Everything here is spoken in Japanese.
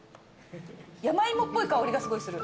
山芋っぽい香りがすごいする。